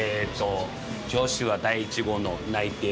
女子は第１号の内定